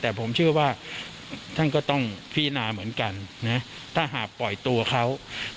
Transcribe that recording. แต่ผมเชื่อว่าท่านก็ต้องพิจารณาเหมือนกันนะถ้าหากปล่อยตัวเขา